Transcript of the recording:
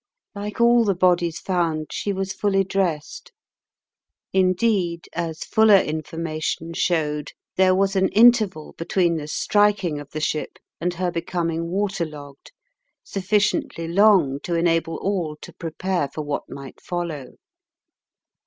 Like all the bodies found, she was fully dressed. Indeed, as fuller information showed, there was an interval between the striking of the ship and her becoming water logged sufficiently long to enable all to prepare for what might follow.